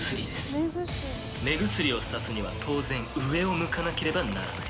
目薬をさすには当然上を向かなければならない。